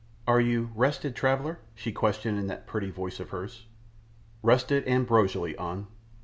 "Are you rested, traveller?" she questioned in that pretty voice of hers. "Rested ambrosially, An."